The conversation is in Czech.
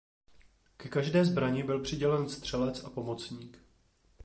Ke každé zbrani byl přidělen střelec a pomocník.